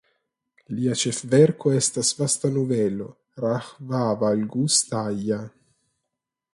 Lia ĉefverko estas vasta novelo "Rahvavalgustaja".